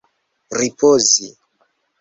ripozi